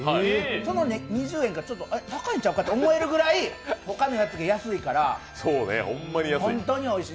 その２０円が高いんちゃうかって思えるくらい他のやつが安いから、本当においしい。